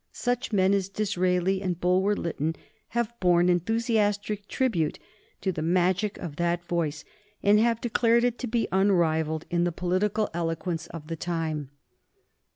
Such men as Disraeli and Bulwer Lytton have borne enthusiastic tribute to the magic of that voice, and have declared it to be unrivalled in the political eloquence of the time.